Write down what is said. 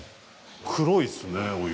黒いっすねお湯。